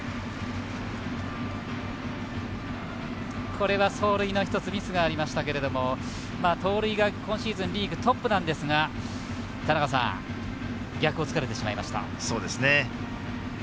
これは走塁にミスがありましたけれども盗塁が今シーズンリーグトップなんですが逆を突かれてしまいました。